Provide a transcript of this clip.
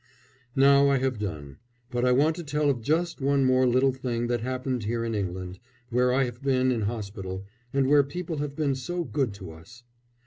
Now I have done; but I want to tell of just one more little thing that happened here in England, where I have been in hospital, and where people have been so good to us.